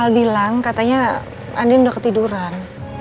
al bilang katanya andien udah ketiduran